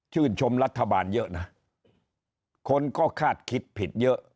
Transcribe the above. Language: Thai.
ชมรัฐบาลเยอะนะคนก็คาดคิดผิดเยอะ